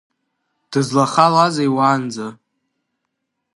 Дызлахалазеи уанӡа?